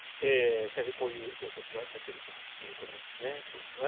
先生、こういう予測が出ているということですね。